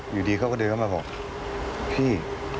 อยู่ดีเขาก็เดินเข้ามาบอกพี่